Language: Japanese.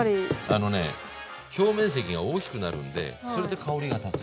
あのね表面積が大きくなるんでそれで香りが立つ。